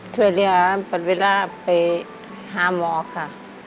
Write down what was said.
ช่วยเหลือปัดเวลาไปหาหมอค่ะ